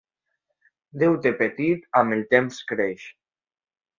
Deute petit, amb el temps creix.